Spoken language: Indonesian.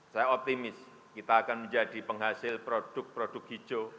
saya optimis kita akan menjadi penghasil produk produk hijau